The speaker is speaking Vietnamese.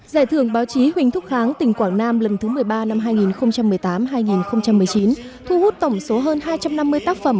giải thưởng báo chí huỳnh thúc kháng tỉnh quảng nam lần thứ một mươi ba năm hai nghìn một mươi tám hai nghìn một mươi chín thu hút tổng số hơn hai trăm năm mươi tác phẩm